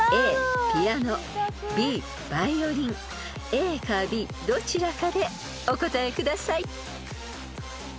［ＡかＢどちらかでお答えください］